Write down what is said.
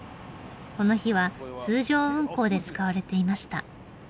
この日は通常運行で使われていました。